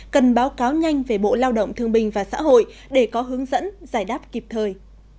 cần báo cáo nhanh về bộ lao động thương bình và xã hội để có hướng dẫn giải đáp kịp thời